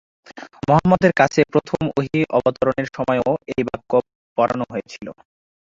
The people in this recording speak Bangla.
মুহাম্মদের কাছে প্রথম ওহী অবতরণের সময়ও এই বাক্য পড়ানো হয়েছিল।